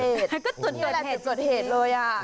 ก็จุดเกิดเหตุเลยอ่ะ